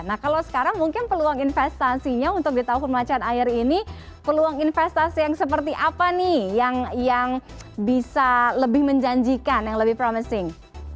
nah kalau sekarang mungkin peluang investasinya untuk di tahun macan air ini peluang investasi yang seperti apa nih yang bisa lebih menjanjikan yang lebih promising